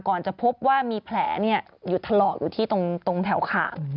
ก่อนจะพบว่ามีแผลอยู่ทะเลาะอยู่ที่ตรงแถวขา